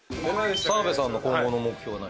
澤部さんの今後の目標は？